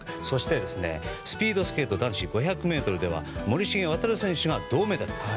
そして、スピードスケート男子５００ｍでは森重航選手が銅メダル。